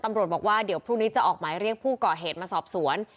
ตำรวจบอกว่าเดี๋ยวพรุ่งนี้จะออกหมายเรียกผู้ก่อเหตุมาสอบสวน